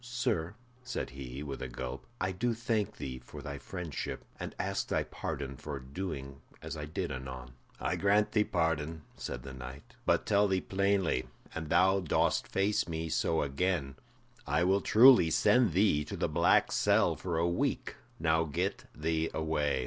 "Sir," said he, with a gulp, "I do thank thee for thy friendship, and ask thy pardon for doing as I did anon." "I grant thee pardon," said the knight, "but tell thee plainly, an thou dost face me so again, I will truly send thee to the black cell for a week. Now get thee away."